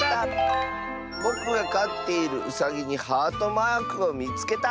「ぼくがかっているうさぎにハートマークをみつけた！」。